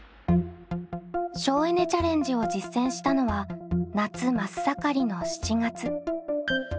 省エネ・チャレンジを実践したのは夏真っ盛りの７月。